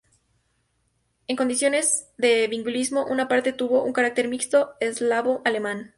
En condiciones de bilingüismo una parte tuvo un carácter mixto, eslavo-alemán.